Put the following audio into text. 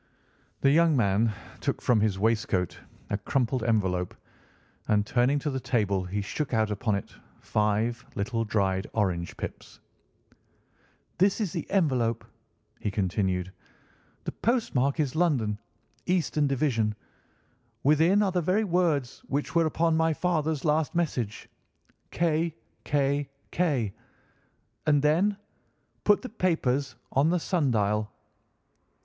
The young man took from his waistcoat a crumpled envelope, and turning to the table he shook out upon it five little dried orange pips. "This is the envelope," he continued. "The postmark is London—eastern division. Within are the very words which were upon my father's last message: 'K. K. K.'; and then 'Put the papers on the sundial.